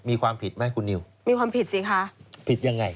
มีความผิดไหมคุณนิวมีความผิดสิคะผิดยังไง